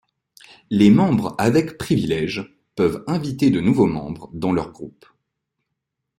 Les membres avec privilèges peuvent inviter de nouveaux membres dans leur groupe.